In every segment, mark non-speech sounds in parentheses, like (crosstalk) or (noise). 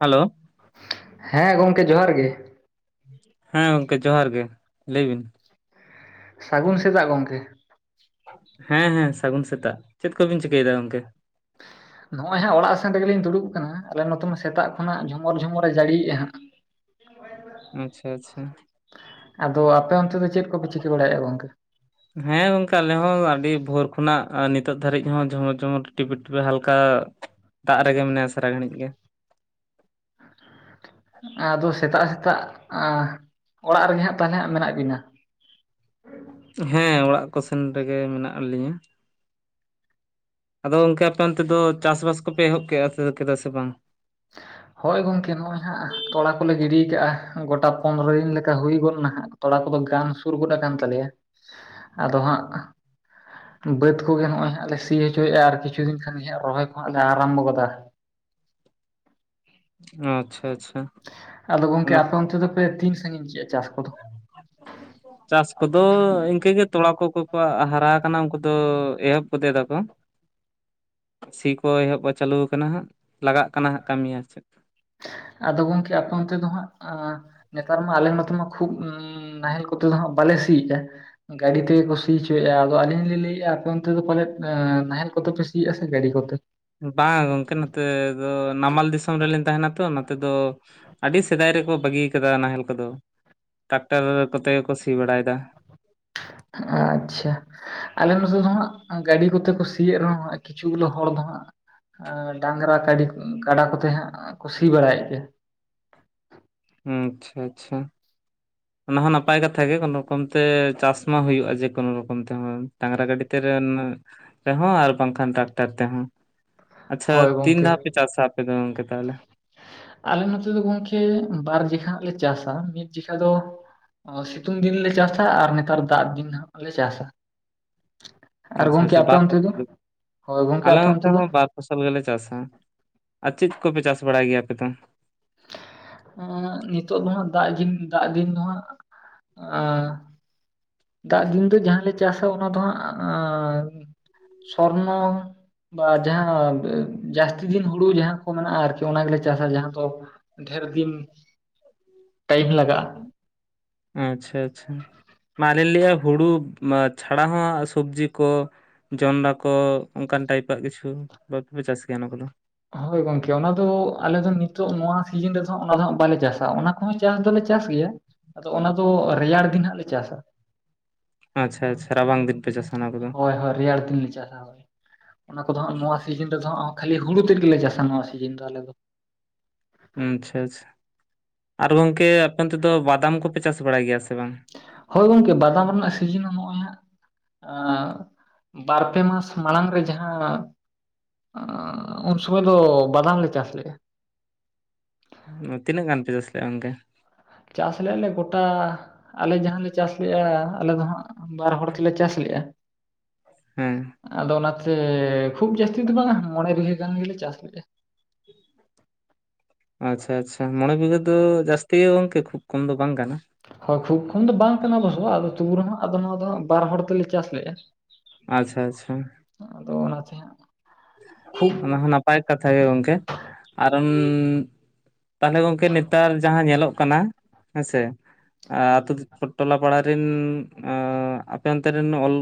Hello. ᱦᱮᱸ ᱜᱚᱝᱠᱮ ᱡᱚᱦᱟᱨ ᱜᱮ᱾ ᱦᱮᱸ ᱜᱚᱝᱠᱮ ᱡᱚᱦᱟᱨ ᱜᱮ ᱞᱟᱹᱭ ᱵᱤᱱ? ᱥᱟᱹᱜᱩᱱ ᱥᱮᱛᱟᱜ ᱜᱚᱝᱠᱮ ᱾ ᱦᱮᱸ ᱦᱮᱸ, ᱥᱟᱹᱜᱩᱱ ᱥᱮᱛᱟᱜ᱾ ᱪᱮᱫ ᱠᱚᱵᱤᱱ ᱪᱤᱠᱟᱹᱭ ᱮᱫᱟ ᱜᱚᱝᱠᱮ? ᱱᱚᱜᱼᱚᱭ ᱦᱟᱸᱜ ᱚᱲᱟᱜ ᱥᱮᱱ ᱨᱮᱜᱮ ᱞᱤᱝ ᱫᱩᱲᱩᱵ ᱠᱟᱱᱟ᱾ ᱟᱞᱮ ᱱᱚᱛᱮ ᱢᱟ ᱥᱮᱛᱟᱜ ᱠᱷᱚᱱᱟᱜ ᱡᱷᱚᱢᱚᱨ ᱡᱷᱚᱢᱚᱨᱮ ᱡᱟᱹᱲᱤᱭᱮᱜᱼᱟ ᱦᱟᱸᱜ᱾ (unintelligible) ᱟᱪᱪᱷᱟ ᱟᱪᱪᱷᱟ᱾ ᱟᱫᱚ ᱟᱯᱮ ᱚᱱᱛᱮ ᱫᱚ ᱪᱮᱫ ᱠᱚᱯᱮ ᱪᱤᱠᱟᱹ ᱵᱟᱲᱟᱭᱮᱜᱼᱟ ᱜᱚᱝᱠᱮ? ᱦᱮᱸ, ᱜᱚᱝᱠᱮ ᱟᱞᱮ ᱦᱚᱸ ᱟᱹᱰᱤ ᱵᱷᱳᱨ ᱠᱷᱚᱱᱟᱜ ᱱᱤᱛᱚᱜ ᱫᱷᱟᱹᱨᱤᱡ ᱦᱚᱸ ᱡᱷᱚᱢᱚᱨᱻᱡᱷᱚᱢᱚᱨ, ᱴᱤᱯᱤᱻᱴᱤᱯᱤ ᱦᱟᱞᱠᱟ ᱫᱟᱜ ᱨᱮᱜᱮ ᱢᱮᱱᱟᱭᱟ ᱥᱟᱨᱟ ᱜᱷᱟᱹᱲᱤᱡᱽ ᱜᱮ᱾ ᱟᱫᱚ ᱥᱮᱛᱟᱜ ᱥᱮᱛᱟᱜ ᱟᱸ ᱚᱲᱟᱜ ᱨᱮᱜᱮ ᱦᱟᱸᱜ ᱛᱟᱦᱞᱮ ᱦᱟᱜ ᱢᱮᱱᱟᱜ ᱵᱤᱱᱟ? ᱦᱮᱸ ᱚᱲᱟᱜ ᱠᱚ ᱥᱮᱱ ᱨᱮᱜᱮ ᱢᱮᱱᱟᱜ ᱞᱤᱧᱟᱹ᱾ ᱟᱫᱚ ᱚᱱᱠᱟ ᱟᱯᱮ ᱚᱱᱛᱮ ᱫᱚ ᱪᱟᱥ ᱵᱟᱥ ᱠᱚᱯᱮ ᱮᱦᱚᱵ ᱠᱮᱜᱼᱟ ᱠᱮᱫᱟ ᱥᱮ ᱵᱟᱝ? ᱦᱳᱭ ᱜᱚᱝᱠᱮ ᱱᱚᱜᱼᱚᱭ ᱦᱟᱸᱜ ᱛᱚᱞᱟ ᱠᱚᱞᱮ ᱜᱤᱰᱤᱭ ᱟᱠᱟᱜᱼᱟ ᱜᱚᱴᱟ ᱯᱚᱱᱨᱚ ᱫᱤᱱ ᱞᱮᱠᱟ ᱦᱩᱭ ᱜᱚᱫ ᱱᱟ ᱦᱟᱜ᱾ ᱛᱚᱲᱟ ᱠᱚᱫᱚ ᱜᱟᱱ ᱥᱩᱨ ᱜᱚᱫ ᱟᱠᱟᱱ ᱛᱟᱞᱮᱭᱟ ᱟᱫᱚ ᱦᱟᱸᱜ ᱵᱟᱹᱫᱽ ᱠᱚᱜᱮ ᱱᱚᱜᱼᱚᱭ ᱦᱟᱸᱜ ᱞᱮ ᱥᱤ ᱦᱚᱪᱚᱭᱮᱜᱼᱟ ᱟᱨ ᱠᱤᱪᱷᱩ ᱫᱤᱱ ᱠᱷᱟᱱ ᱜᱮ ᱦᱟᱜ ᱨᱚᱦᱚᱭ ᱠᱚᱦᱟᱜ ᱞᱮ ᱟᱨᱚᱢᱵᱚ ᱜᱚᱫᱟ᱾ ᱚᱸ ᱟᱪᱪᱷᱟ ᱟᱪᱪᱷᱟ᱾ ᱟᱫᱚ ᱜᱚᱝᱠᱮ ᱟᱯᱮ ᱚᱱᱛᱮ ᱫᱚᱯᱮ ᱛᱤᱱ ᱥᱟᱜᱤᱧ ᱠᱮᱜᱼᱟ ᱪᱟᱥ ᱠᱚ ᱫᱚ? ᱪᱟᱥ ᱠᱚᱫᱚ ᱤᱱᱠᱟᱹ ᱜᱮ ᱛᱚᱲᱟ ᱠᱚᱠᱚ ᱠᱚ ᱦᱟᱨᱟ ᱟᱠᱟᱱᱟ ᱩᱱᱠᱩ ᱛᱚ ᱮᱦᱚᱵ ᱯᱚᱛᱮ ᱫᱟ ᱠᱚ᱾ ᱥᱤ ᱠᱚ ᱮᱦᱚᱵ ᱪᱟᱹᱞᱩ ᱟᱠᱟᱱᱟ ᱦᱟᱸᱜ ᱞᱟᱜᱟᱜ ᱠᱟᱱᱟ ᱦᱟᱸᱜ ᱠᱟᱹᱢᱤ ᱟᱨ ᱪᱮᱫ᱾ ᱟᱫᱚ ᱜᱚᱝᱠᱮ ᱟᱯᱮ ᱚᱱᱛᱮ ᱫᱚ ᱦᱟᱸᱜ ᱟᱸ ᱱᱮᱛᱟᱨ ᱢᱟ ᱟᱞᱮ ᱱᱚᱛᱮ ᱢᱟ ᱠᱷᱩᱵ ᱩᱸ ᱱᱟᱦᱮᱞ ᱠᱚᱛᱮ ᱫᱚ ᱦᱟᱸᱜ ᱵᱟᱞᱮ ᱥᱤᱭᱮᱜᱼᱟ᱾ ᱜᱟᱹᱰᱤ ᱛᱮᱜᱮ ᱠᱚ ᱥᱤ ᱪᱚᱭᱮᱜᱼᱟ ᱟᱫᱚ ᱟᱹᱞᱤᱧ ᱞᱤᱧ ᱞᱟᱹᱭᱮᱜᱼᱟ ᱟᱯᱮ ᱚᱱᱛᱮ ᱫᱚ ᱯᱟᱞᱮᱫ ᱮᱸ ᱱᱟᱦᱮᱞ ᱠᱚᱛᱮ ᱯᱮ ᱥᱤᱭᱮᱜᱼᱟ ᱥᱮ ᱜᱟᱹᱰᱤ ᱠᱚᱛᱮ? ᱵᱟᱝ ᱜᱚᱢᱠᱮ ᱱᱚᱛᱮ ᱫᱚ ᱱᱟᱢᱟᱞ ᱫᱤᱥᱚᱢ ᱨᱮ ᱞᱤᱧ ᱛᱟᱦᱮᱱᱟ ᱛᱚ ᱱᱚᱛᱮ ᱫᱚ ᱟᱹᱰᱤ ᱥᱮᱫᱟᱭ ᱨᱮᱠᱚ ᱵᱟᱹᱜᱤ ᱟᱠᱟᱫᱟ ᱱᱟᱦᱮᱞ ᱠᱚᱫᱚ ᱴᱟᱠᱴᱟᱨ ᱠᱚᱛᱮ ᱜᱮᱠᱚ ᱥᱤ ᱵᱟᱲᱟᱭᱮᱫᱟ᱾ ᱟᱪᱪᱷᱟ᱾ ᱟᱞᱮ ᱱᱚᱛᱮ ᱫᱚ ᱦᱟᱸᱜ ᱜᱟᱹᱰᱤ ᱠᱚᱛᱮ ᱠᱚ ᱥᱤᱭᱮᱫ ᱨᱮᱦᱚᱸ ᱦᱟᱜ ᱠᱤᱪᱷᱩ ᱜᱩᱞᱳ ᱦᱚᱲ ᱫᱚ ᱦᱟᱸᱜ ᱟᱸ ᱰᱟᱝᱨᱟ ᱛᱮ ᱠᱟᱰᱤ ᱠᱟᱰᱟ ᱠᱚᱛᱮ ᱦᱟᱸᱜ ᱠᱩ ᱥᱤ ᱵᱟᱲᱟᱭᱮᱫ ᱜᱮᱭᱟ᱾ ᱩᱸ ᱟᱪᱷᱟ ᱟᱪᱷᱟ᱾ ᱚᱱᱟ ᱦᱚᱸ ᱱᱟᱯᱟᱭ ᱠᱟᱛᱷᱟ ᱜᱮ ᱠᱳᱱᱳ ᱨᱚᱠᱚᱢ ᱛᱮ ᱪᱟᱥ ᱢᱟ ᱦᱩᱭᱩᱜᱼᱟ ᱡᱮ ᱠᱳᱱᱳ ᱨᱚᱠᱚᱢ ᱛᱮᱦᱚᱸ ᱰᱟᱝᱨᱟ ᱜᱟᱹᱰᱤ ᱛᱮ ᱨᱮᱱ ᱨᱮᱦᱚᱸ ᱟᱨ ᱵᱟᱝ ᱠᱷᱟᱱ ᱴᱟᱠᱴᱟᱨ ᱛᱮᱦᱚᱸ᱾ ᱟᱪᱪᱷᱟ ᱦᱳᱭ ᱛᱤᱱ ᱜᱚᱝᱠᱮ ᱫᱷᱟᱣ ᱯᱮ ᱪᱟᱥᱟ ᱟᱯᱮ ᱫᱚ ᱜᱚᱝᱠᱮ ᱛᱟᱦᱚᱞᱮ? ᱟᱞᱮ ᱱᱚᱛᱮ ᱫᱚ ᱜᱚᱢᱠᱮ ᱵᱟᱨ ᱡᱮᱠᱷᱟ ᱦᱟᱜ ᱞᱮ ᱪᱟᱥᱟ ᱢᱤᱫ ᱡᱮᱠᱷᱟ ᱫᱚ ᱚᱸ ᱥᱤᱛᱩᱝ ᱫᱤᱱ ᱞᱮ ᱪᱟᱥᱟ ᱟᱨ ᱱᱮᱛᱟᱨ ᱫᱟᱜ ᱫᱤᱱ ᱦᱟᱸᱜ ᱞᱮ ᱪᱟᱥᱟ᱾ ᱟᱨ ᱟᱪᱪᱷᱟ ᱜᱚᱝᱠᱮ ᱟᱪᱪᱷᱟ ᱟᱯᱮ ᱵᱟᱨ ᱚᱱᱛᱮ ᱫᱚ? (unintelligible) ᱦᱳᱭ ᱜᱚᱝᱠᱮ ᱟᱞᱮ ᱟᱯᱮ ᱚᱱᱛᱮ ᱫᱚ ᱦᱚᱸ ᱵᱟᱨ ᱯᱷᱚᱥᱚᱞ ᱜᱮᱞᱮ ᱪᱟᱥᱟ ᱟᱨ ᱪᱮᱫ ᱠᱚᱯᱮ ᱪᱟᱥ ᱵᱟᱲᱟᱭ ᱜᱮᱭᱟ ᱟᱯᱮ ᱫᱚ? ᱮᱸ ᱱᱤᱛᱚᱜ ᱫᱚ ᱦᱟᱜ ᱫᱟᱜ ᱫᱤᱱ ᱫᱟᱜ ᱫᱤᱱ ᱫᱚ ᱦᱟᱸᱜ ᱮᱸ᱾ ᱫᱟᱜ ᱫᱤᱱ ᱫᱚ ᱡᱟᱦᱟᱸ ᱞᱮ ᱪᱟᱥᱟ ᱚᱱᱟ ᱫᱚ ᱦᱟᱸᱜ ᱥᱚᱨᱱᱚ᱾ ᱵᱟ ᱡᱟᱦᱟᱸ ᱡᱟᱥᱛᱤ ᱫᱤᱱ ᱦᱩᱲᱩ ᱡᱟᱦᱟᱸ ᱠᱚ ᱢᱮᱱᱟᱜᱼᱟ ᱟᱨᱠᱤ ᱚᱱᱟ ᱜᱮᱞᱮ ᱪᱟᱥᱟ ᱡᱟᱦᱟᱸ ᱫᱚᱼᱼ ᱰᱷᱮᱨ ᱫᱤᱱ ᱴᱟᱭᱤᱢ ᱞᱟᱜᱟᱜᱼᱟ᱾ ᱟᱪᱪᱷᱟ ᱟᱪᱪᱷᱟ᱾ ᱢᱟᱞᱮ ᱞᱟᱹᱭᱮ ᱦᱩᱲᱩ ᱪᱷᱟᱲᱟ ᱦᱚᱸ ᱥᱚᱵᱽᱡᱤ ᱠᱚᱼᱼ ᱡᱚᱱᱰᱟ ᱠᱚ ᱚᱱᱠᱟᱱ ᱴᱟᱭᱤᱯᱟᱜ ᱠᱤᱪᱷᱩ ᱵᱟᱯᱮ ᱪᱟᱥ ᱜᱮᱭᱟ ᱚᱱᱟ ᱠᱚᱫᱚ? ᱦᱳᱭ ᱜᱚᱝᱠᱮ ᱚᱱᱟ ᱫᱚ ᱟᱞᱮ ᱫᱚ ᱱᱤᱛᱚᱜ ᱱᱚᱣᱟ ᱥᱤᱡᱤᱱ ᱨᱮᱫᱚ ᱚᱱᱟ ᱫᱚ ᱦᱟᱜ ᱵᱟᱞᱮ ᱪᱟᱥᱟ ᱚᱱᱟᱼᱼ ᱦᱚᱸ ᱪᱟᱥ ᱫᱚᱞᱮ ᱪᱟᱥ ᱜᱮᱭᱟ ᱟᱫᱚ ᱚᱱᱟ ᱫᱚ ᱨᱮᱭᱟᱲ ᱫᱤᱱ ᱦᱟᱸᱜ ᱞᱮ ᱪᱟᱥᱟ᱾ ᱟᱪᱪᱷᱟ ᱟᱪᱪᱷᱟ ᱨᱟᱵᱟᱝ ᱫᱤᱱ ᱯᱮ ᱪᱟᱥᱟ ᱚᱱᱟ ᱠᱚᱫᱚ ᱦᱳᱭ ᱦᱳᱭ ᱨᱮᱭᱟᱲ ᱫᱤᱱ ᱞᱮ ᱪᱟᱥᱟ᱾ ᱚᱱᱟ ᱠᱚᱫᱚ ᱦᱟᱸᱜ ᱱᱚᱣᱟ ᱥᱤᱡᱤᱱ ᱨᱮᱫᱚ ᱦᱟᱸᱜ ᱠᱷᱟᱹᱞᱤ ᱦᱩᱲᱩ ᱛᱮᱫ ᱜᱮᱞᱮ ᱪᱟᱥᱟ ᱱᱚᱣᱟ ᱥᱤᱡᱤᱱ ᱫᱚ ᱟᱞᱮ ᱫᱚ᱾ ᱩᱸ ᱪᱷᱟ ᱪᱷᱟ ᱟᱨ ᱜᱚᱝᱠᱮ ᱟᱯᱮ ᱚᱱᱛᱮ ᱫᱚ ᱵᱟᱫᱟᱢ ᱠᱚᱯᱮ ᱪᱟᱥ ᱵᱟᱲᱟᱭ ᱜᱮᱭᱟ ᱥᱮ ᱵᱟᱝ? ᱦᱳᱭ ᱜᱚᱢᱠᱮ ᱵᱟᱫᱟᱢ ᱨᱮᱱᱟᱜ ᱥᱤᱡᱤᱱ ᱦᱚᱸ ᱱᱚᱜᱼᱚᱭ ᱦᱟᱸᱜᱼᱼ ᱟᱸ ᱵᱟᱨᱯᱮ ᱢᱟᱥ ᱢᱟᱲᱟᱝ ᱨᱮ ᱡᱟᱦᱟᱸᱼᱼ ᱟᱸ ᱩᱱ ᱥᱩᱢᱟᱹᱭ ᱫᱚ ᱵᱟᱫᱟᱢ ᱞᱮ ᱪᱟᱥ ᱞᱮᱜᱼᱟ᱾ ᱩᱸ ᱛᱤᱱᱟᱹᱜ ᱜᱟᱱ ᱯᱮ ᱪᱟᱥ ᱞᱮᱫᱼᱟ ᱜᱚᱢᱠᱮ? ᱪᱟᱥ ᱞᱮᱜ ᱟᱞᱮ ᱜᱳᱴᱟᱼᱼ ᱟᱞᱮ ᱡᱟᱦᱟᱸ ᱞᱮ ᱪᱟᱥ ᱞᱮᱜᱼᱟ ᱟᱞᱮ ᱫᱚ ᱦᱟᱸᱜ ᱵᱟᱨ ᱦᱚᱲ ᱛᱮᱞᱮ ᱪᱟᱥ ᱞᱮᱜᱼᱟ᱾ ᱦᱮᱸ᱾ ᱟᱫᱚ ᱚᱱᱟ ᱛᱮ ᱠᱷᱩᱵ ᱡᱟᱹᱥᱛᱤ ᱫᱚ ᱵᱟᱝᱼᱟ ᱢᱚᱬᱮ ᱵᱤᱜᱷᱟᱹ ᱜᱟᱱ ᱜᱮᱞᱮ ᱪᱟᱥ ᱞᱮᱜᱼᱟ᱾ ᱟᱪᱪᱷᱟ ᱟᱪᱪᱷᱟ ᱢᱚᱬᱮ ᱵᱤᱜᱷᱟᱹ ᱫᱚ ᱡᱟᱹᱥᱛᱤ ᱜᱚᱢᱠᱮ ᱠᱷᱩᱵ ᱠᱚᱢ ᱫᱚ ᱵᱟᱝ ᱠᱟᱱᱟ᱾ ᱦᱳᱭ ᱠᱷᱩᱵ ᱠᱷᱚᱱ ᱫᱚ ᱵᱟᱝ ᱠᱟᱱᱟ ᱚᱵᱚᱥᱼᱥᱚ ᱟᱫᱚ ᱛᱩᱵᱩ ᱨᱮᱦᱚᱸ ᱟᱫᱚ ᱱᱚᱣᱟ ᱫᱚ ᱵᱟᱨ ᱦᱚᱲ ᱛᱮᱞᱮ ᱪᱟᱥ ᱞᱮᱜᱼᱟ᱾ ᱟᱪᱪᱷᱟ ᱟᱪᱪᱷᱟ᱾ ᱫᱚ ᱚᱱᱟ ᱚᱱᱟᱛᱮ ᱦᱟᱜᱼᱼ ᱚᱱᱟ ᱦᱚᱸ ᱱᱟᱯᱟᱭ ᱠᱟᱛᱷᱟ ᱜᱮ ᱜᱚᱢᱠᱮ ᱠᱟᱨᱚᱱ ᱛᱟᱦᱚᱞᱮ ᱜᱚᱝᱠᱮ ᱱᱮᱛᱟᱨ ᱡᱟᱦᱟᱸ ᱧᱮᱞᱚᱜ ᱠᱟᱱᱟ ᱦᱮᱸᱥᱮ ᱟᱹᱛᱩ ᱴᱚᱞᱟ ᱯᱟᱲᱟᱨᱮᱱ ᱟᱯᱮ ᱚᱱᱛᱮ ᱨᱮᱱ ᱚᱞ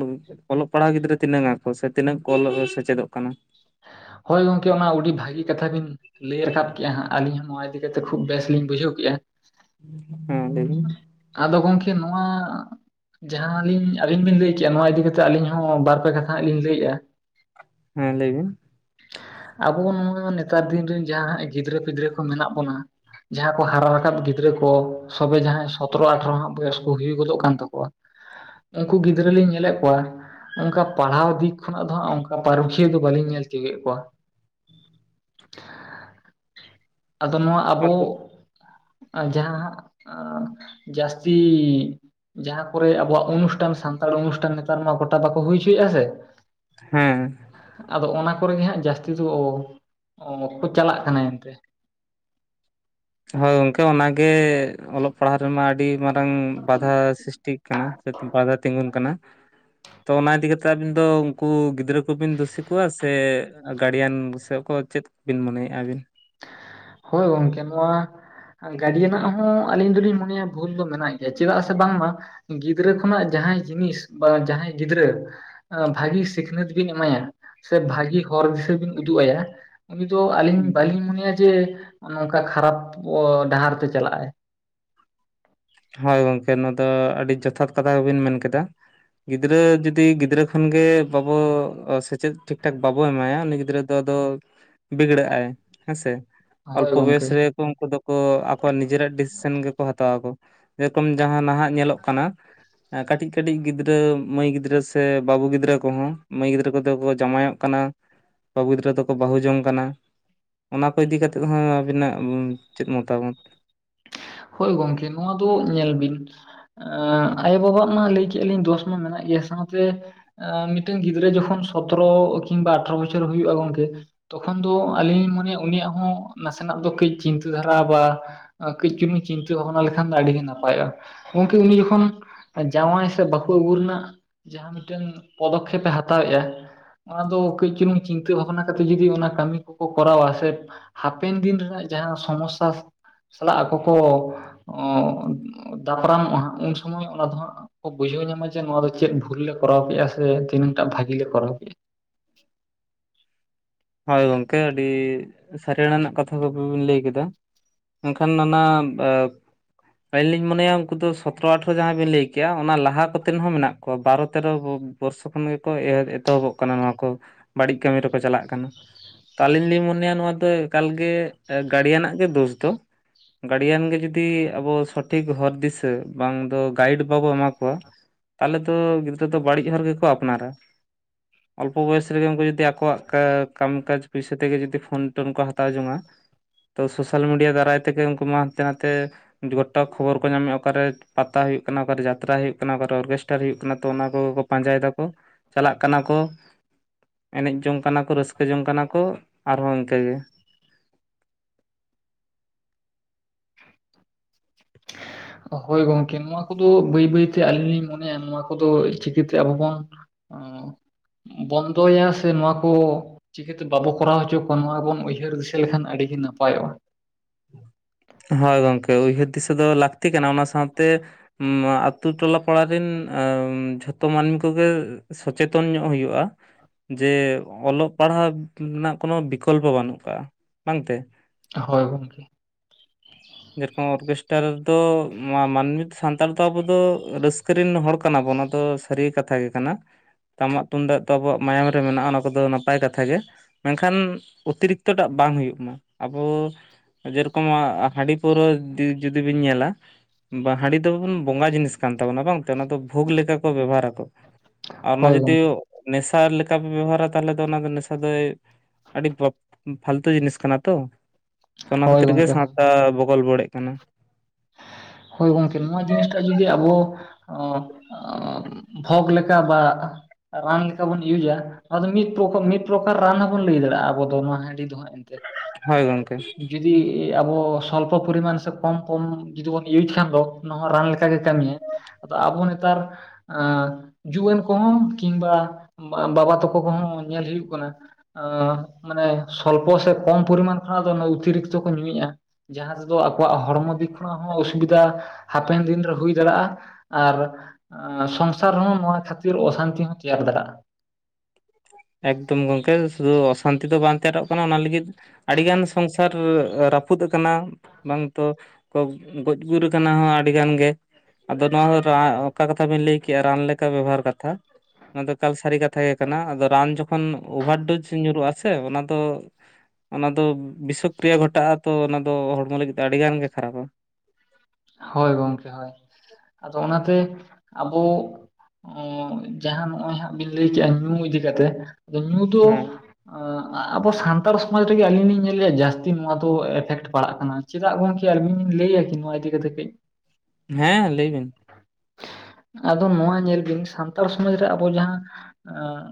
ᱚᱞᱚᱜ ᱯᱟᱲᱦᱟᱣ ᱜᱤᱫᱽᱨᱟᱹ ᱛᱤᱱᱟᱹᱜ ᱟᱠᱚ ᱥᱮ ᱛᱤᱱᱟᱹᱜ ᱠᱚ ᱚᱞ ᱥᱮᱪᱮᱫᱚᱜ ᱠᱟᱱᱟ᱾ ᱦᱳᱭ ᱜᱚᱝᱠᱮ ᱚᱱᱟ ᱟᱹᱰᱤ ᱵᱷᱟᱹᱜᱤ ᱠᱟᱛᱷᱟ ᱵᱤᱱ ᱞᱟᱹᱭ ᱨᱟᱠᱟᱵ ᱠᱮᱜᱼᱟ ᱦᱟᱸᱜ ᱟᱹᱞᱤᱧ ᱦᱚᱸ ᱱᱚᱣᱟ ᱤᱫᱤ ᱪᱤᱠᱛᱮ ᱠᱷᱩ ᱵᱮᱥ ᱞᱤᱧ ᱵᱩᱡᱷᱟᱹ ᱠᱮᱫᱼᱟ᱾ ᱦᱮᱸ ᱞᱮᱵᱤᱱ, ᱟᱫᱚ ᱜᱚᱢᱠᱮ ᱱᱚᱣᱟ ᱡᱟᱦᱟᱸᱞᱤᱧ ᱟᱹᱵᱤᱱ ᱵᱤᱱ ᱞᱟᱹᱭ ᱠᱮᱫᱮᱜᱼᱟ ᱱᱚᱣᱟ ᱤᱫᱤ ᱠᱟᱛᱮᱫ ᱟᱹᱞᱤᱧ ᱦᱚᱸ ᱵᱟᱨᱯᱮ ᱠᱟᱛᱷᱟ ᱦᱟᱜ ᱞᱤᱧ ᱞᱟᱹᱭᱮᱫᱼᱟ᱾ ᱦᱮᱸ ᱞᱟᱹᱭ ᱵᱤᱱ᱾ ᱟᱵᱚ ᱱᱚᱣᱟ ᱱᱮᱛᱟᱨ ᱫᱤᱱ ᱨᱮᱱ ᱡᱟᱦᱟᱸ ᱜᱤᱫᱽᱨᱟᱹ ᱯᱤᱫᱽᱨᱟᱹ ᱠᱚ ᱢᱮᱱᱟᱜ ᱵᱚᱱᱟ᱾ ᱡᱟᱦᱟᱸ ᱠᱚ ᱦᱟᱨᱟᱠᱟᱵ ᱜᱤᱫᱽᱨᱟᱹ ᱠᱚ ᱥᱚᱵᱮ ᱡᱟᱦᱟᱸᱭ ᱥᱚᱛᱨᱚ ᱟᱴᱷᱨᱚ ᱦᱟᱸᱜ ᱵᱚᱭᱚᱥ ᱠᱚ ᱦᱩᱭ ᱜᱚᱫᱚᱜ ᱠᱟᱱ ᱛᱟᱠᱚᱣᱟ ᱩᱱᱠᱩ ᱜᱤᱫᱽᱨᱟᱹ ᱞᱤᱧ ᱧᱮᱞᱮᱫ ᱠᱚᱣᱟ ᱚᱱᱠᱟ ᱯᱟᱲᱦᱟᱣ ᱫᱤᱠ ᱠᱷᱚᱱᱟᱜ ᱫᱚ ᱦᱟᱜ ᱚᱱᱠᱟ ᱯᱟᱨᱩ ᱠᱷᱤᱭᱟᱹ ᱫᱚ ᱵᱟᱞᱤᱧ ᱧᱮᱞ ᱛᱤᱭᱩᱜ ᱠᱮᱫ ᱠᱚᱣᱟ᱾ ᱟᱫᱚ ᱱᱚᱣᱟ ᱟᱵᱚ ᱡᱟᱦᱟᱸ ᱦᱟᱜ ᱡᱟᱹᱥᱛᱤ ᱡᱟᱦᱟᱸ ᱠᱚᱨᱮ ᱟᱵᱚᱣᱟᱜ ᱚᱱᱩᱥᱴᱷᱟᱱ ᱥᱟᱱᱛᱟᱲ ᱚᱱᱩᱥᱴᱷᱟᱱ ᱱᱮᱛᱟᱨ ᱢᱟ ᱜᱚᱴᱟ ᱵᱟᱠᱚ ᱦᱩᱭ ᱦᱚᱪᱚᱭᱮᱫᱼᱟ ᱥᱮ᱾ ᱦᱮᱸ᱾ ᱟᱫᱚ ᱚᱱᱟ ᱠᱚᱨᱮᱜ ᱜᱮ ᱦᱟᱸᱜ ᱡᱟᱹᱥᱛᱤ ᱫᱚ ᱠᱚ ᱪᱟᱞᱟᱜ ᱠᱟᱱᱟ ᱮᱱᱛᱮ᱾ ᱦᱳᱭ ᱜᱚᱝᱠᱮ ᱚᱱᱟᱜᱮ ᱚᱞᱚᱜ ᱯᱟᱲᱦᱟᱜ ᱨᱮᱢᱟ ᱟᱹᱰᱤ ᱢᱟᱨᱟᱝ ᱵᱟᱫᱷᱟ ᱥᱤᱥ ᱴᱷᱤᱠ ᱠᱟᱱᱟ ᱥᱮ ᱵᱟᱫᱷᱟ ᱛᱤᱜᱩᱱ ᱠᱟᱱᱟ᱾ ᱛᱚ ᱚᱱᱟ ᱤᱫᱤ ᱠᱟᱛᱮᱜ ᱟᱵᱤᱱ ᱫᱚ ᱩᱱᱠᱩ ᱜᱤᱫᱽᱨᱟᱹ ᱠᱚᱵᱤᱱ ᱫᱩᱥᱤ ᱠᱚᱣᱟ ᱥᱮ ᱜᱟᱰᱤᱭᱮᱱᱥ᱾ ᱪᱮᱫ ᱠᱚ ᱪᱮᱫ ᱵᱤᱱ ᱢᱚᱱᱮᱭᱮᱫᱼᱟ ᱟᱹᱵᱤᱱ᱾ ᱦᱳᱭ ᱜᱚᱝᱠᱮ ᱱᱚᱣᱟ ᱜᱟᱰᱤᱭᱮᱱᱥ ᱟᱜ ᱦᱚᱸ ᱟᱹᱞᱤᱧ ᱫᱚᱞᱤᱧ ᱢᱚᱱᱮᱭᱟ ᱵᱷᱩᱞ ᱫᱚ ᱢᱮᱱᱟᱜ ᱜᱮᱭᱟ ᱪᱮᱫᱟᱜ ᱥᱮ ᱵᱟᱝᱢᱟ ᱜᱤᱫᱽᱨᱟᱹ ᱠᱷᱚᱱᱟᱜ ᱡᱟᱦᱟᱸᱭ ᱡᱤᱱᱤᱥ ᱵᱟ ᱡᱟᱦᱟᱸᱭ ᱜᱤᱫᱽᱨᱟᱹ ᱵᱷᱟᱹᱜᱤ ᱥᱤᱠᱷᱱᱟᱹᱛ ᱵᱤᱱ ᱮᱢᱟᱭᱟ ᱥᱮ ᱵᱷᱟᱹᱜᱤ ᱦᱚᱨ ᱫᱤᱥᱟᱹ ᱵᱤᱱ ᱩᱫᱩᱜ ᱟᱭᱟ ᱩᱱᱤ ᱫᱚᱚ ᱟᱞᱤᱧ ᱵᱟᱹᱞᱤᱧ ᱢᱚᱱᱮᱭᱟ ᱡᱮ ᱱᱚᱝᱠᱟ ᱠᱷᱟᱨᱟᱯ ᱰᱟᱦᱟᱨ ᱛᱮ ᱪᱟᱞᱟᱜᱼᱟᱭ᱾ ᱦᱳᱭ ᱜᱚᱝᱠᱮ ᱱᱚᱣᱟ ᱫᱚ ᱟᱹᱰᱤ ᱡᱚᱛᱷᱟᱛ ᱠᱟᱛᱷᱟ ᱜᱮᱵᱤᱱ ᱢᱮᱱ ᱠᱮᱫᱟ᱾ ᱜᱤᱫᱽᱨᱟᱹ ᱡᱩᱫᱤ ᱜᱤᱫᱽᱨᱟᱹ ᱠᱷᱚᱱ ᱜᱮ ᱵᱟᱵᱚ ᱥᱮᱪᱮᱫ ᱴᱷᱤᱠ ᱴᱷᱟᱠ ᱵᱟᱵᱚ ᱮᱢᱟᱭᱟ ᱩᱱᱤ ᱜᱤᱫᱽᱨᱟᱹ (inaudible) ᱫᱚ ᱵᱤᱜᱽᱲᱟᱹᱜᱼᱟᱭ ᱦᱮᱸ ᱥᱮ᱾ ᱦᱳᱭ ᱚᱞᱯᱚ ᱵᱚᱭᱮᱥ ᱜᱚᱝᱠᱮ ᱨᱮᱠᱚ ᱩᱱᱠᱩ ᱫᱚᱠᱚ ᱟᱠᱚᱣᱟᱜ ᱱᱤᱡᱮᱨᱟᱜ ᱰᱤᱥᱤᱥᱮᱱ ᱜᱮᱠᱚ ᱦᱟᱛᱟᱣᱟ ᱠᱚ᱾ ᱡᱮᱨᱚᱠᱚᱢ ᱡᱟᱸᱦᱟᱸ ᱱᱟᱦᱟᱜ ᱧᱮᱞᱚᱜ ᱠᱟᱱᱟ᱾ ᱠᱟᱹᱴᱤᱡ ᱠᱟᱹᱴᱤᱡ ᱜᱤᱫᱽᱨᱟᱹ ᱢᱟᱹᱭ ᱜᱤᱫᱽᱨᱟᱹ ᱥᱮ ᱵᱟᱹᱵᱩ ᱜᱤᱫᱽᱨᱟᱹ ᱠᱚᱦᱚᱸ ᱢᱟᱹᱭ ᱜᱤᱫᱽᱨᱟᱹ ᱠᱚᱫᱚ ᱠᱚ ᱡᱟᱶᱟᱭᱚᱜ ᱠᱟᱱᱟ, ᱵᱟᱹᱵᱩ ᱜᱤᱫᱽᱨᱟᱹ ᱫᱚᱠᱚ ᱵᱟᱹᱦᱩ ᱡᱚᱝ ᱠᱟᱱᱟ᱾ ᱚᱱᱟ ᱠᱚ ᱤᱫᱤ ᱠᱟᱛᱮᱫ ᱦᱚᱸ ᱟᱵᱤᱱᱟᱜ ᱪᱮᱫ ᱢᱚᱛᱟᱢᱚᱛ᱾ ᱦᱳᱭ ᱜᱚᱝᱠᱮ ᱱᱚᱣᱟ ᱫᱚ ᱧᱮᱞ ᱵᱤᱱ ᱟᱭᱳᱼᱵᱟᱵᱟᱜ ᱢᱟ ᱞᱟᱹᱭ ᱠᱮᱫ ᱞᱤᱧ ᱫᱚᱥ ᱢᱟ ᱢᱮᱱᱟᱜ ᱜᱮᱭᱟ ᱥᱟᱶᱛᱮ ᱢᱤᱫᱴᱮᱱ ᱜᱤᱫᱽᱨᱟᱹ ᱡᱚᱠᱷᱚᱱ ᱥᱚᱛᱨᱚ ᱠᱤᱝᱵᱟ ᱟᱴᱷᱨᱚ ᱵᱚᱪᱷᱚᱨ ᱦᱩᱭᱩᱜᱼᱟ ᱜᱚᱝᱠᱮ ᱛᱚᱠᱷᱚᱱ ᱫᱚ ᱟᱹᱞᱤᱧ ᱞᱤᱧ ᱢᱚᱱᱮᱭᱟ ᱩᱱᱤᱭᱟᱜ ᱦᱚᱸ ᱱᱟᱥᱮᱱᱟᱜ ᱫᱚ ᱠᱟᱹᱡ ᱪᱤᱱᱛᱟᱹ ᱫᱷᱟᱨᱟ ᱵᱟ ᱠᱟᱹᱡ ᱪᱩᱞᱩᱝ ᱪᱤᱱᱛᱟᱹ ᱵᱷᱟᱵᱽᱱᱟ ᱞᱮᱠᱷᱟᱱ ᱫᱚ ᱟᱹᱰᱤ ᱜᱮ ᱱᱟᱯᱟᱭᱚᱜᱼᱟ, ᱜᱚᱝᱠᱮ ᱩᱱᱤ ᱡᱚᱠᱷᱚᱱ ᱡᱟᱶᱟᱭ ᱥᱮ ᱵᱟᱹᱦᱩ ᱟᱹᱜᱩ ᱨᱮᱱᱟᱜ ᱡᱟᱸᱦᱟᱸ ᱢᱤᱫᱴᱮᱱ ᱯᱚᱫᱚᱠᱷᱮᱯᱮ ᱦᱟᱛᱟᱣ ᱮᱜ-ᱟᱭ ᱚᱱᱟ ᱫᱚ ᱠᱟᱹᱡ ᱪᱩᱞᱩᱝ ᱪᱤᱱᱛᱟᱹ ᱵᱷᱟᱵᱱᱟ ᱠᱟᱛᱮᱫ ᱡᱚᱫᱤ ᱚᱱᱟ ᱠᱟᱹᱢᱤ ᱠᱚᱠᱚ ᱠᱚᱨᱟᱣᱟ ᱥᱮ ᱦᱟᱯᱮᱱ ᱫᱤᱱ ᱨᱮᱱᱟᱜ ᱡᱟᱸᱦᱟᱸ ᱥᱚᱢᱚᱥᱥᱟ ᱟᱠᱚ ᱠᱚ ᱫᱟᱯᱨᱟᱢᱚᱜᱼᱟ ᱦᱟᱸᱜ ᱩᱱ ᱥᱚᱢᱚᱭ ᱚᱱᱟ ᱫᱚ ᱦᱟᱸᱜ ᱵᱩᱡᱷᱟᱹᱣ ᱧᱟᱢᱟ ᱡᱮ ᱱᱚᱣᱟ ᱫᱚ ᱪᱮᱫ ᱵᱷᱩᱞ ᱞᱮ ᱠᱚᱨᱟᱣ ᱠᱮᱫᱼᱟ ᱥᱮ ᱛᱤᱱᱟᱹᱜ ᱴᱟᱜ ᱵᱷᱟᱜᱤ ᱞᱮ ᱠᱚᱨᱟᱣ ᱠᱮᱜ-ᱟ᱾ ᱦᱳᱭ ᱜᱚᱝᱠᱮ ᱟᱹᱰᱤ ᱥᱟᱹᱲᱮᱲ ᱟᱱᱟᱜ ᱠᱟᱛᱷᱟ ᱠᱚ ᱵᱤᱱ ᱞᱟᱹᱭ ᱠᱮᱫᱟ᱾ ᱢᱮᱱᱠᱷᱟᱱ ᱚᱱᱟ ᱟᱹᱞᱤᱧ ᱞᱤᱧ ᱢᱚᱱᱮᱭᱟ ᱩᱱᱠᱩ ᱫᱚ ᱥᱚᱛᱨᱚ ᱟᱴᱷᱨᱚ ᱡᱟᱦᱟᱸ ᱵᱤᱱ ᱞᱟᱹᱭ ᱠᱮᱜᱭᱟ ᱚᱱᱟ ᱞᱟᱦᱟ ᱠᱚᱛᱮᱫ ᱦᱚᱸ ᱢᱮᱱᱟᱜ ᱠᱚᱣᱟ ᱵᱟᱨᱚ ᱛᱮᱨᱚ ᱵᱚᱨᱥᱚ ᱠᱷᱚᱱ ᱜᱮᱠᱚ ᱮᱦᱚᱵ ᱮᱛᱚᱦᱚᱵᱚᱜ ᱠᱟᱱᱟ ᱱᱚᱣᱟ ᱠᱚ ᱵᱟᱹᱲᱤᱡ ᱠᱟᱹᱢᱤ ᱨᱮᱠᱚ ᱪᱟᱞᱟᱜ ᱠᱟᱱᱟ᱾ ᱛᱚ ᱟᱞᱤᱧ ᱞᱤᱧ ᱢᱚᱱᱮᱭᱟ ᱱᱚᱣᱟ ᱫᱚ ᱮᱠᱟᱞ ᱜᱮ ᱜᱟᱹᱲᱤᱭᱟᱱᱟᱜ ᱜᱮ ᱫᱳᱥ ᱫᱚ᱾ ᱜᱟᱹᱰᱤᱭᱟᱱ ᱜᱮ ᱡᱩᱫᱤ ᱟᱵᱚ ᱥᱚᱴᱷᱤᱠ ᱦᱚᱨ ᱫᱤᱥᱟᱹ ᱵᱟᱝ ᱫᱚ ᱜᱟᱭᱤᱰ ᱵᱟᱵᱚ ᱮᱢᱟ ᱠᱚᱣᱟ ᱛᱟᱦᱚᱞᱮ ᱫᱚ ᱜᱤᱫᱽᱨᱟᱹ ᱫᱚ ᱵᱟᱹᱲᱤᱡ ᱦᱚᱨ ᱜᱮᱠᱚ ᱟᱯᱱᱟᱨᱟ᱾ ᱚᱞᱯᱚ ᱵᱚᱭᱮᱥ ᱨᱮᱜᱮ ᱩᱱᱠᱩ ᱡᱩᱫᱤ ᱟᱠᱚᱣᱟᱜ ᱠᱟᱢᱤ ᱠᱟᱡᱽ ᱯᱚᱭᱥᱟ ᱛᱮᱜᱮ ᱡᱩᱫᱤ ᱯᱷᱳᱱ ᱴᱳᱱ ᱠᱚ ᱦᱟᱛᱟᱣ ᱡᱚᱝ-ᱟ ᱛᱚ ᱥᱳᱥᱟᱞ ᱢᱤᱰᱤᱭᱟ ᱫᱟᱨᱟᱭ ᱛᱮᱜᱮ ᱩᱱᱠᱩ ᱢᱟ ᱦᱟᱱᱛᱮ ᱱᱟᱛᱮ ᱜᱚᱴᱟ ᱠᱷᱚᱵᱚᱨ ᱠᱚ ᱧᱟᱢᱮᱫᱼᱟ ᱚᱠᱟᱨᱮ ᱯᱟᱛᱟ ᱦᱩᱭᱩᱜ ᱠᱟᱱᱟ ᱚᱠᱟᱨᱮ ᱡᱟᱛᱨᱟ ᱦᱩᱭᱩᱜ ᱠᱟᱱᱟ ᱚᱠᱟᱨᱮ ᱚᱨᱜᱮᱥᱴᱟᱨ ᱦᱩᱭᱩᱜ ᱠᱟᱱᱟ ᱛᱚ ᱚᱱᱟ ᱠᱚ ᱯᱟᱸᱡᱟᱭ ᱫᱟᱠᱚ ᱪᱟᱞᱟᱜ ᱠᱟᱱᱟ ᱠᱚ ᱮᱱᱮᱡ ᱡᱚᱝ ᱠᱟᱱᱟ ᱠᱚ ᱨᱟᱹᱥᱠᱟᱹ (inaudible) ᱡᱚᱝ ᱠᱟᱱᱟ ᱠᱚ ᱟᱨᱦᱚᱸ ᱤᱱᱠᱟᱹ ᱜᱮ᱾ ᱦᱳᱭ ᱜᱚᱝᱠᱮ ᱱᱚᱣᱟ ᱠᱚᱫᱚ ᱵᱟᱹᱭ ᱵᱟᱹᱭ ᱛᱮ ᱟᱞᱤᱧ ᱞᱤᱧ ᱢᱚᱱᱮᱭᱟ ᱱᱚᱣᱟ ᱠᱚᱫᱚ ᱪᱤᱠᱟᱹᱛᱮ ᱟᱵᱚ ᱵᱚᱱ ᱚ ᱵᱚᱱᱫᱚᱭᱟ ᱥᱮ ᱱᱚᱣᱟ ᱠᱚ ᱪᱤᱠᱟᱹ ᱛᱮ ᱵᱟᱵᱚ ᱠᱚᱨᱟᱣ ᱦᱚᱪᱚ ᱠᱚᱣᱟ ᱱᱚᱣᱟ ᱵᱚᱱ ᱩᱭᱦᱟᱹᱨ ᱫᱤᱥᱟᱹ ᱞᱮᱠᱷᱟᱱ ᱟᱹᱰᱤ ᱜᱮ ᱱᱟᱯᱟᱭᱚᱜᱼᱟ᱾ ᱦᱳᱭ ᱜᱚᱝᱠᱮ ᱩᱭᱦᱟᱹᱨ ᱫᱤᱥᱟᱹ ᱫᱚ ᱞᱟᱹᱠᱛᱤ ᱠᱟᱱᱟ ᱚᱱᱟ ᱥᱟᱶᱛᱮ ᱱᱚᱣᱟ ᱟᱛᱳ ᱴᱚᱞᱟ ᱯᱟᱲᱟᱨ ᱨᱮᱱ (inaudible) ᱡᱷᱚᱛᱚ ᱢᱟᱹᱱᱢᱤ ᱠᱚᱜᱮ ᱥᱚᱪᱮᱛᱚᱱ ᱧᱚᱜ ᱦᱩᱭᱩᱜᱼᱟ᱾ ᱡᱮ ᱚᱞᱚᱜ ᱯᱟᱲᱦᱟᱣ ᱨᱮᱱᱟᱜ ᱠᱳᱱᱚ ᱵᱤᱠᱚᱞᱯᱚ ᱵᱟᱹᱱᱩᱜ ᱟᱠᱟᱜᱼᱟ ᱵᱟᱝ ᱛᱮ᱾ ᱦᱳᱭ ᱜᱚᱢᱠᱮ᱾ ᱡᱮᱨᱚᱠᱚᱢ ᱚᱨᱠᱮᱥᱴᱟᱨ ᱨᱮᱫᱚ ᱱᱚᱣᱟ ᱢᱟᱹᱱᱢᱤ ᱥᱟᱱᱛᱟᱲ ᱫᱚ ᱟᱵᱚ ᱫᱚ ᱨᱟᱹᱥᱠᱟᱹ ᱨᱮᱱ ᱦᱚᱲ ᱠᱟᱱᱟᱵᱚᱱ, ᱟᱫᱚ ᱥᱟᱹᱨᱤ ᱠᱟᱛᱷᱟ ᱜᱮ ᱠᱟᱱᱟ ᱴᱟᱢᱟ ᱛᱩᱢᱫᱟᱜ ᱛᱚ ᱟᱵᱚᱣᱟᱜ ᱢᱟᱭᱟᱢ ᱨᱮ ᱢᱮᱱᱟᱜ-ᱟ ᱚᱱᱟ ᱠᱚᱫᱚ ᱱᱟᱯᱟᱭ ᱠᱟᱛᱷᱟ ᱜᱮ᱾ ᱢᱮᱱᱠᱷᱟᱱ ᱚᱛᱤᱨᱤᱠᱛᱚ ᱴᱟᱜ ᱵᱟᱝ ᱦᱩᱭᱩᱜ ᱢᱟ ᱟᱵᱚ ᱡᱮᱨᱚᱠᱚᱢ ᱡᱮ ᱨᱚᱠᱚᱢ ᱦᱟᱺᱰᱤ ᱯᱟᱹᱣᱨᱟᱹ ᱡᱩᱫᱤ ᱵᱤᱱ ᱧᱮᱞᱟ ᱵᱟ ᱦᱟᱹᱰᱤ ᱫᱚ ᱵᱚᱸᱜᱟ ᱡᱤᱱᱤᱥ ᱠᱟᱱ ᱛᱟᱵᱚᱱᱟ ᱵᱟᱝᱛᱮ ᱚᱱᱟ ᱫᱚ ᱵᱷᱳᱜᱽ ᱞᱮᱠᱟ ᱠᱚ ᱵᱮᱵᱷᱟᱨᱟ ᱟᱠᱚ, ᱟᱨ ᱚᱱᱟ ᱦᱳᱭ ᱡᱩᱫᱤ ᱜᱚᱝᱠᱮ ᱱᱮᱥᱟ ᱞᱮᱠᱟ ᱯᱮ ᱵᱮᱵᱚᱦᱟᱨᱟ ᱛᱟᱦᱚᱞᱮ ᱫᱚ ᱚᱱᱟ ᱫᱚ ᱱᱮᱥᱟ ᱫᱚᱭ ᱟᱹᱰᱤ ᱯᱷᱟᱞᱛᱩ ᱡᱤᱱᱤᱥ ᱠᱟᱱᱟ ᱛᱚ ᱚᱱᱟ ᱦᱳᱭ ᱠᱷᱟᱹᱛᱤᱨ ᱜᱮ ᱜᱚᱝᱠᱮ ᱦᱳᱭ ᱥᱟᱶᱛᱟ ᱵᱚᱜᱚᱞ ᱵᱚᱰᱮᱜ ᱠᱟᱱᱟ᱾ ᱦᱳᱭ ᱜᱚᱝᱠᱮ ᱱᱚᱣᱟ ᱡᱤᱱᱤᱥᱴᱟᱜ ᱡᱩᱫᱤ ᱟᱵᱚ (unintelligible) ᱵᱷᱚᱜᱽ ᱞᱮᱠᱟ ᱵᱟ ᱨᱟᱱ ᱞᱮᱠᱟ ᱵᱚᱱ ᱤᱭᱩᱡᱟ ᱱᱚᱣᱟ ᱫᱚ ᱢᱤᱫ ᱯᱨᱚᱠ ᱢᱤᱫ ᱯᱨᱚᱠᱟᱨ ᱨᱟᱱ ᱦᱚᱸᱵᱚᱱ ᱞᱟᱹᱭ ᱫᱟᱲᱮᱭᱟᱜ-ᱟ ᱟᱵᱚ ᱫᱚ ᱱᱚᱣᱟ ᱦᱟᱹᱰᱤ ᱫᱚ ᱦᱟᱸᱜ ᱮᱱᱛᱮ᱾ ᱦᱳᱭ ᱜᱚᱝᱠᱮ᱾ ᱡᱩᱫᱤ ᱟᱵᱚ ᱥᱚᱞᱯᱚ ᱯᱚᱨᱤᱢᱟᱱ ᱥᱮ ᱠᱚᱢ ᱠᱚᱢ ᱡᱩᱫᱤ ᱵᱚᱱ ᱤᱭᱩᱡ ᱠᱷᱟᱱ ᱫᱚ ᱚᱱᱟ ᱨᱟᱱ ᱞᱮᱠᱟᱜᱮ ᱠᱟᱹᱢᱤᱭᱟ, ᱟᱫᱚ ᱟᱵᱚ ᱱᱮᱛᱟᱨ ᱮᱸ ᱡᱩᱣᱟᱹᱱ ᱠᱚᱦᱚᱸ ᱠᱤᱢᱵᱟ ᱵᱟᱵᱟ ᱛᱟᱠᱚ ᱠᱚᱦᱚᱸ ᱧᱮᱞ ᱦᱩᱭᱩᱜ ᱠᱟᱱᱟ ᱢᱟᱱᱮ ᱥᱚᱞᱯᱚ ᱥᱮ ᱠᱚᱢ ᱯᱚᱨᱤᱢᱟᱱ ᱠᱷᱚᱱᱟᱜ ᱫᱚ ᱚᱛᱤᱨᱤᱠᱛᱚ ᱠᱚ ᱧᱩᱭᱮᱫ-ᱟ᱾ ᱡᱟᱦᱟᱸ ᱛᱮᱫᱚ ᱟᱠᱚᱣᱟᱜ ᱦᱚᱲᱢᱚ ᱫᱤᱠ ᱠᱷᱚᱱᱟᱜ ᱦᱚᱸ ᱚᱥᱩᱵᱤᱫᱷᱟ ᱦᱟᱯᱮᱱ ᱫᱤᱱᱨᱮ ᱦᱩᱭ ᱫᱟᱲᱮᱭᱟᱜ-ᱟ, ᱟᱨ ᱟᱨ ᱥᱚᱝᱥᱟᱨ ᱨᱮᱦᱚᱸ ᱱᱚᱣᱟ ᱠᱷᱟᱹᱛᱤᱨ ᱚᱥᱟᱱᱛᱤ ᱦᱚᱸ ᱛᱮᱭᱟᱨ ᱫᱟᱲᱮᱭᱟᱜ-ᱟ᱾ ᱮᱠᱫᱚᱢ ᱜᱚᱢᱠᱮ ᱥᱩᱫᱷᱩ ᱚᱥᱟᱱᱛᱤ ᱫᱚ ᱵᱟᱝ ᱛᱮᱭᱟᱨᱚᱜ ᱠᱟᱱᱟ ᱚᱱᱟ ᱞᱟᱹᱜᱤᱫ ᱟᱹᱰᱤᱜᱟᱱ ᱥᱚᱝᱥᱟᱨ ᱨᱟᱹᱯᱩᱫ ᱟᱠᱟᱱᱟ᱾ ᱵᱟᱝᱛᱚ ᱜᱚᱡ ᱜᱩᱨ ᱠᱟᱱᱟ ᱦᱚᱸ ᱟᱹᱰᱤ ᱜᱟᱱ ᱜᱮ᱾ ᱟᱫᱚ ᱱᱚᱣᱟ ᱦᱚᱸ ᱚᱠᱟ ᱠᱟᱛᱷᱟ ᱵᱮᱤᱱ ᱞᱟᱹᱭ ᱠᱮᱜ-ᱟ ᱨᱟᱱ ᱞᱮᱠᱟ ᱵᱮᱵᱚᱦᱟᱨ ᱠᱟᱛᱷᱟ ᱱᱚᱣᱟ ᱫᱚ ᱮᱠᱟᱞ ᱥᱟᱨᱤ ᱠᱟᱛᱷᱟ ᱜᱮ᱾ ᱠᱟᱱᱟ ᱟᱫᱚ ᱨᱟᱱ ᱡᱚᱠᱷᱚᱱ ᱚᱵᱷᱟᱨ ᱰᱳᱡ ᱧᱩᱨᱩᱜ-ᱟ ᱥᱮ ᱚᱱᱟ ᱫᱚ ᱚᱱᱟ ᱫᱚ ᱵᱤᱥᱚ ᱠᱨᱤᱭᱟ ᱜᱷᱚᱴᱟᱜ-ᱟ ᱛᱚ ᱚᱱᱟ ᱫᱚ ᱦᱚᱲᱢᱚ ᱞᱟᱹᱜᱤᱫ ᱫᱚ ᱟᱹᱰᱤ ᱜᱟᱱ ᱜᱮ ᱠᱷᱟᱨᱟᱯ-ᱟ᱾ ᱦᱳᱭ ᱜᱚᱢᱠᱮ ᱦᱳᱭ ᱟᱫᱚ ᱚᱱᱟᱛᱮ ᱟᱵᱚ ᱡᱟᱦᱟᱸ ᱱᱚᱜ-ᱚᱭ ᱦᱟᱸᱜ ᱵᱤᱱ ᱞᱟᱹᱭ ᱠᱮᱫᱮᱜ-ᱟ ᱧᱩ ᱤᱫᱤ ᱠᱟᱛᱮᱜ ᱟᱫᱚ ᱧᱩ ᱫᱚ ᱦᱮᱸ ᱟᱵᱚ ᱥᱟᱱᱛᱟᱲ ᱥᱚᱢᱟᱡ ᱨᱮᱜᱮ ᱟᱹᱞᱤᱧ ᱞᱤᱧ ᱧᱮᱞᱮᱫ-ᱟ ᱡᱟᱹᱥᱛᱤ ᱱᱚᱣᱟ ᱫᱚ ᱮᱯᱷᱮᱠᱴ ᱯᱟᱲᱟᱜ ᱠᱟᱱᱟ᱾ ᱪᱮᱫᱟᱜ ᱜᱚᱝᱠᱮ ᱟᱹᱞᱤᱧ ᱞᱤᱧ ᱞᱟᱹᱭᱟ ᱠᱤ ᱱᱚᱣᱟ ᱤᱫᱤ ᱠᱟᱛᱮ ᱠᱟᱹᱡ᱾ ᱦᱮᱸ ᱞᱟᱹᱭ ᱵᱤᱱ ᱾ ᱟᱫᱚ ᱱᱚᱣᱟ ᱧᱮᱞ ᱵᱤᱱ ᱥᱟᱱᱛᱟᱲ ᱥᱚᱢᱟᱡ ᱨᱮ ᱟᱵᱚ ᱡᱟᱦᱟᱸ ᱮᱸ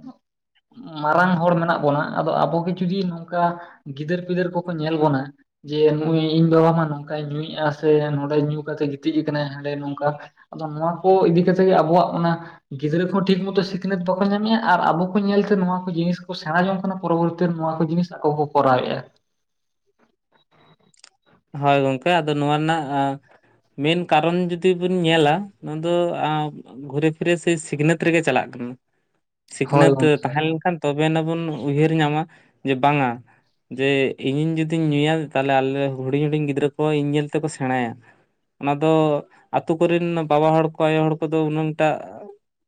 ᱢᱟᱨᱟᱝ ᱦᱚᱲ ᱢᱮᱱᱟᱜ ᱵᱚᱱᱟ ᱟᱫᱚ ᱟᱵᱚᱜᱮ ᱡᱩᱫᱤ ᱱᱚᱝᱠᱟ ᱜᱤᱫᱟᱹᱨ ᱯᱤᱫᱟᱹᱨ ᱠᱚᱠᱚ ᱧᱮᱞ ᱵᱚᱱᱟ ᱡᱮ ᱱᱩᱭ ᱤᱧ ᱵᱟᱵᱟ ᱢᱟ ᱱᱚᱝᱠᱟᱭ ᱧᱩᱭᱮᱟ ᱥᱮ ᱧᱩ ᱠᱟᱛᱮ ᱜᱤᱛᱤᱡ ᱟᱠᱟᱱᱟᱭ ᱦᱟᱸᱰᱮ ᱱᱚᱝᱠᱟ ᱟᱫᱚ ᱱᱚᱣᱟ ᱠᱚ ᱤᱫᱤ ᱠᱟᱛᱮ ᱟᱵᱚᱣᱟᱜ ᱚᱱᱟ ᱜᱤᱫᱽᱨᱟᱹ ᱠᱚᱦᱚᱸ ᱴᱷᱤᱠ ᱢᱚᱛᱚ ᱥᱤᱠᱷᱱᱟᱹᱛ ᱵᱟᱠᱚ ᱧᱟᱢᱮᱫ-ᱟ ᱟᱨ ᱟᱵᱚ ᱠᱚ ᱧᱮᱞᱛᱮ ᱱᱚᱣᱟ ᱠᱚ ᱡᱤᱱᱤᱥ ᱠᱚ ᱥᱮᱬᱟ ᱡᱚᱝ ᱠᱟᱱᱟ᱾ ᱯᱚᱨᱚᱵᱚᱨᱛᱤ ᱱᱚᱣᱟ ᱠᱚ ᱡᱤᱱᱤᱥ ᱟᱠᱚ ᱠᱚ ᱠᱚᱨᱟᱣᱮᱜ-ᱟ᱾ ᱦᱳᱭ ᱜᱚᱝᱠᱮ ᱟᱫᱚ ᱱᱚᱣᱟ ᱨᱮᱱᱟᱜ ᱢᱮᱱ ᱠᱟᱨᱚᱱ ᱡᱩᱫᱤ ᱵᱤᱱ ᱧᱮᱞᱟ ᱱᱚᱣᱟ ᱫᱚ ᱜᱷᱩᱨᱮ ᱯᱷᱤᱨᱮ ᱥᱮ ᱥᱤᱠᱷᱱᱟᱹᱛ ᱨᱮᱜᱮ ᱪᱟᱞᱟᱜ ᱠᱟᱱᱟ ᱦᱳᱭ ᱥᱤᱠᱷᱱᱟᱹᱛ ᱜᱚᱝᱠᱮ ᱦᱳᱭ ᱛᱟᱦᱮᱸ ᱞᱮᱱᱠᱷᱟᱱ ᱛᱚᱵᱮ ᱱᱟ ᱵᱚᱱ ᱩᱭᱦᱟᱹᱨ ᱧᱟᱢᱟ ᱡᱮ ᱵᱟᱝᱟ ᱡᱮ ᱤᱧ ᱡᱩᱫᱤᱧ ᱧᱩᱭᱟ ᱛᱟᱦᱚᱞᱮ ᱟᱞᱮ ᱦᱩᱰᱤᱧ ᱦᱩᱰᱤᱧ ᱜᱤᱫᱽᱨᱟᱹ ᱠᱚ ᱤᱧ ᱧᱮᱞ ᱛᱮᱠᱚ ᱥᱮᱬᱟᱭᱟ᱾ ᱚᱱᱟ ᱫᱚ ᱟᱛᱳ ᱠᱚᱨᱮᱱ ᱵᱟᱵᱟ ᱦᱚᱲ ᱠᱚ ᱟᱭᱳ ᱦᱚᱲ ᱠᱚᱫᱚ ᱩᱱᱟᱝ ᱴᱟᱜ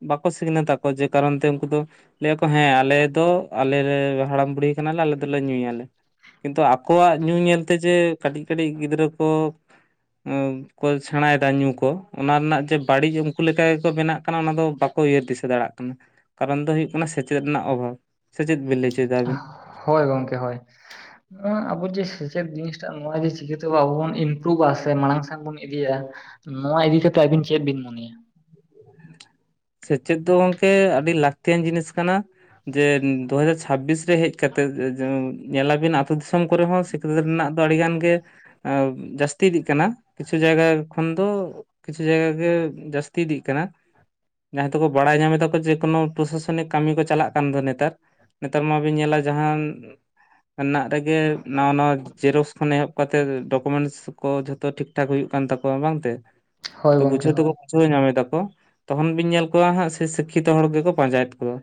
ᱵᱟᱠᱚ ᱥᱤᱠᱷᱱᱟᱹᱛ ᱟᱠᱚ ᱡᱮ ᱠᱟᱨᱚᱱ ᱛᱮ ᱩᱱᱠᱩ ᱫᱚ ᱞᱟᱹᱭᱟᱠᱚ ᱦᱮᱸ ᱟᱞᱮ ᱫᱚ ᱟᱞᱮ ᱦᱟᱲᱟᱢ ᱵᱩᱲᱦᱤ ᱠᱟᱱᱟᱞᱮ ᱟᱞᱮ ᱫᱚᱞᱮ ᱧᱩᱭᱟᱞᱮ ᱠᱤᱱᱛᱩ ᱟᱠᱚᱣᱟᱜ ᱧᱩ ᱧᱮᱞᱛᱮ ᱡᱮ ᱠᱟᱹᱴᱤᱡ ᱠᱟᱹᱴᱤᱡ ᱜᱤᱫᱽᱨᱟᱹ ᱠᱚ ᱠᱚ ᱥᱮᱬᱟᱭᱮᱫᱟ ᱧᱩ ᱠᱚ ᱚᱱᱟ ᱨᱮᱱᱟᱜ ᱡᱮ ᱵᱟᱹᱲᱤᱡ ᱩᱱᱠᱩ ᱞᱮᱠᱟ ᱜᱮᱠᱚ ᱵᱮᱱᱟᱜ ᱠᱟᱱᱟ ᱚᱱᱟ ᱫᱚ ᱵᱟ ᱩᱭᱦᱟᱹᱨ ᱫᱤᱥᱟᱹ ᱫᱟᱲᱮᱭᱟᱜ ᱠᱟᱱᱟ ᱠᱟᱨᱚᱱ ᱫᱚ ᱦᱩᱭᱩᱜ ᱠᱟᱱᱟ ᱥᱮᱪᱮᱫ ᱨᱮᱱᱟᱜ ᱚᱵᱷᱟᱵᱽ ᱥᱮᱪᱮᱫ ᱵᱤᱱ ᱞᱟ. ᱭ ᱦᱳᱭ ᱜᱚᱢᱠᱮ ᱦᱳᱭ ᱱᱚᱣᱟ ᱟᱵᱚ ᱡᱮ ᱥᱮᱪᱮᱫ ᱡᱤᱱᱤᱥᱴᱟᱜ ᱱᱚᱣᱟ ᱡᱮ ᱪᱤᱠᱟᱹᱛᱮ ᱟᱵᱚ ᱵᱚᱱ ᱤᱢᱯᱨᱩᱵ ᱥᱮ ᱢᱟᱲᱟᱝ ᱥᱮᱱ ᱵᱚᱱ ᱤᱫᱤᱭᱟ ᱱᱚᱣᱟ ᱤᱫᱤ ᱠᱟᱛᱮ ᱟᱹᱵᱤᱱ ᱪᱮᱫ ᱵᱤᱱ ᱢᱚᱱᱮᱭᱟ ᱥᱮᱪᱮᱫ ᱫᱚ ᱜᱚᱝᱠᱮ ᱟᱹᱰᱤ ᱞᱟᱹᱠᱛᱤᱭᱟᱱ ᱡᱤᱱᱤᱥ ᱠᱟᱱᱟ ᱡᱮ ᱫᱩᱦᱟᱡᱟᱨ ᱪᱷᱟᱵᱵᱤᱥ ᱨᱮ ᱦᱮᱡ ᱠᱟᱛᱮᱫ ᱧᱮᱞ ᱟᱵᱤᱱ ᱟᱹᱛᱩ ᱫᱤᱥᱚᱢ ᱠᱚᱨᱮ ᱦᱚᱸ ᱥᱤᱠᱷᱱᱟᱹᱛ ᱨᱮᱱᱟᱜ ᱫᱚ ᱟᱹᱰᱤ ᱜᱟᱱ ᱜᱮ ᱡᱟᱹᱥᱛᱤ ᱤᱫᱤᱜ ᱠᱟᱱᱟ ᱠᱤᱪᱷᱩ ᱡᱟᱭᱜᱟ ᱠᱷᱚᱱ ᱫᱚ ᱠᱤᱪᱷᱩ ᱡᱟᱭᱜᱟ ᱜᱮ ᱡᱟᱹᱥᱛᱤ ᱤᱫᱤᱜ ᱠᱟᱱᱟ ᱡᱟᱦᱟᱸᱭ ᱫᱚᱠᱚ ᱵᱟᱲᱟᱭ ᱧᱟᱢ ᱫᱟᱠᱚ ᱡᱮ ᱠᱳᱱᱳ ᱯᱨᱚᱥᱟᱥᱚᱱᱤᱠ ᱠᱟᱹᱢᱤ ᱠᱚ ᱪᱟᱞᱟᱜ ᱠᱟᱱ ᱫᱚ ᱱᱮᱛᱟᱨ ᱱᱮᱛᱟᱨ ᱢᱟᱵᱤᱱ ᱧᱮᱞᱟ ᱡᱟᱦᱟᱱ ᱨᱮᱱᱟᱜ ᱨᱮᱜᱮ ᱱᱟᱣᱟ ᱱᱟᱣᱟ ᱡᱮᱨᱚᱠᱚᱥ ᱠᱷᱚᱱ ᱮᱦᱚᱵ ᱠᱟᱛᱮᱫ ᱰᱚᱠᱚᱢᱮᱱᱴᱥ ᱠᱚ ᱡᱷᱚᱛᱚ ᱴᱷᱤᱠ ᱴᱷᱟᱠ ᱦᱩᱭᱩᱜ ᱠᱟᱱ ᱛᱟᱠᱚᱣᱟ ᱵᱟᱝᱛᱮ ᱛᱮ ᱦᱳᱭ ᱛᱳ ᱜᱚᱝᱠᱮ ᱵᱩᱡᱷᱟᱹᱣ ᱦᱳᱭ ᱫᱟᱠᱚ ᱵᱩᱡᱷᱟᱹᱣ ᱧᱟᱢ ᱫᱟᱠᱚ ᱛᱚᱠᱷᱚᱱ ᱵᱤᱱ ᱧᱮᱞ ᱠᱚᱣᱟ ᱦᱟᱸᱜ ᱥᱮ ᱥᱤᱠᱠᱷᱤᱛᱚ ᱦᱚᱲ ᱜᱮᱠᱚ ᱯᱟᱸᱡᱟᱭᱮᱛ ᱠᱚᱶᱟ᱾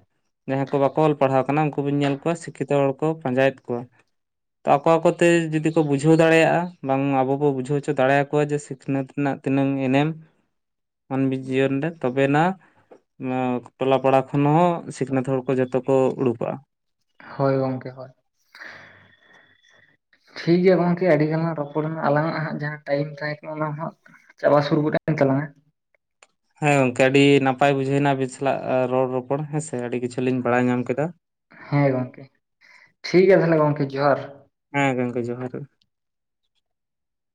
ᱡᱟᱦᱟᱸᱭ ᱠᱚ ᱵᱟᱠᱚ ᱚᱞ ᱯᱟᱲᱦᱟᱣ ᱠᱟᱱᱟ ᱩᱱᱠᱩ ᱵᱤᱱ ᱧᱮᱞ ᱠᱚᱣᱟ ᱥᱤᱠᱷᱤᱛᱚ ᱦᱚᱲ ᱠᱚ ᱯᱟᱸᱡᱟᱭᱮᱫ ᱠᱚᱣᱟ ᱛᱚ ᱟᱠᱚ ᱟᱠᱚ ᱛᱮ ᱡᱩᱫᱤ ᱠᱚ ᱵᱩᱡᱷᱟᱹᱣ ᱫᱟᱲᱮᱭᱟᱜᱼᱟ ᱵᱟᱝ ᱟᱵᱚ ᱵᱚ ᱵᱩᱡᱷᱟᱹᱣ ᱦᱚᱪᱚ ᱫᱟᱲᱮᱭᱟᱠᱚᱣᱟ ᱡᱮ ᱥᱤᱠᱷᱱᱟᱹᱛ ᱨᱮᱱᱟᱜ ᱛᱤᱱᱟᱹᱝ ᱮᱱᱮᱢ ᱢᱟᱱᱢᱤ ᱡᱤᱭᱚᱱ ᱨᱮ ᱛᱚᱵᱮᱱᱟᱜ ᱴᱚᱞᱟ ᱯᱟᱲᱟ ᱠᱷᱚᱱ ᱦᱚᱸ ᱥᱤᱠᱷᱱᱟᱹᱛ ᱦᱚᱲ ᱠᱚ ᱡᱚᱛᱚ ᱠᱚ ᱩᱰᱩᱠᱚᱜᱼᱟ᱾ ᱦᱳᱭ ᱜᱚᱝᱠᱮ ᱦᱳᱭ (unintelligible) ᱴᱷᱤᱠᱜᱮᱭᱟ ᱜᱚᱝᱠᱮ ᱟᱹᱰᱤ ᱜᱟᱱᱞᱟᱝ ᱨᱚᱯᱚᱲᱱᱟ ᱟᱞᱟᱝ ᱟᱜ ᱦᱟᱸᱜ ᱡᱟᱦᱟᱸ ᱴᱟᱭᱤᱢ ᱛᱟᱦᱮᱸ ᱠᱟᱱᱟ ᱚᱱᱟ ᱦᱟᱸᱜ ᱪᱟᱵᱟ ᱥᱩᱨ ᱜᱚᱫ ᱠᱟᱱ ᱛᱟᱞᱟᱝᱼᱟ ᱦᱮᱸ ᱜᱚᱝᱠᱮ ᱟᱹᱰᱤ ᱱᱟᱯᱟᱭ ᱵᱩᱡᱷᱟᱹᱣᱱᱟ ᱟᱵᱤᱱ ᱥᱟᱞᱟᱜ ᱨᱚᱲ ᱨᱚᱯᱚᱲ ᱦᱮᱸᱥᱮ ᱟᱹᱰᱤ ᱠᱤᱪᱷᱩ ᱞᱤᱧ ᱵᱟᱲᱟᱭ ᱧᱟᱢ ᱠᱮᱫᱟ ᱦᱮᱸ ᱜᱚᱝᱠᱮ ᱴᱷᱤᱠᱜᱮᱭᱟ ᱛᱟᱦᱞᱮ ᱜᱚᱢᱠᱮ ᱡᱚᱦᱟᱨ᱾ ᱦᱮᱸ ᱜᱚᱝᱠᱮ ᱡᱚᱦᱟᱨ ᱾